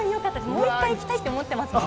もう一回行きたいって思ってますもん。